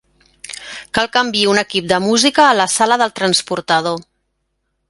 Cal que enviï un equip de música a la sala del transportador.